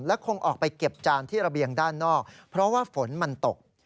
คงออกไปเก็บจานที่ระเบียงด้านนอกเพราะว่าฝนมันตก